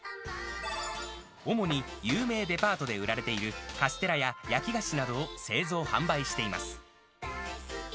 主に有名デパートで売られているカステラや焼き菓子などを製造・販売しています。